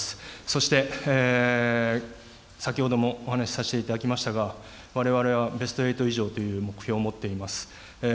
そして、先ほどもお話しさせていただきましたが、われわれはベスト８以上という目標を持っています。